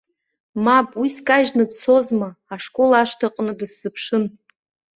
Мап, уи скажьны дцозма, ашкол ашҭаҟны дысзыԥшын.